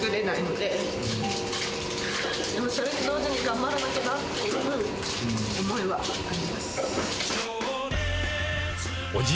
でもそれと同時に、頑張らないとなっていう思いはあります。